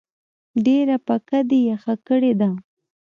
ډیره پکه دي پخه کړی ده